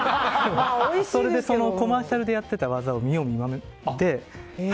それでコマーシャルでやってた技を見様見まねでやって。